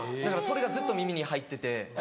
だからそれがずっと耳に入ってて。